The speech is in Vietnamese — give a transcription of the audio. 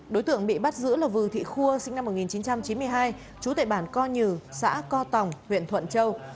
đối tượng bị bắt giữ là vư thị khua sinh năm một nghìn chín trăm chín mươi hai chú tệ bản co nhừ xã co tòng huyện thuận châu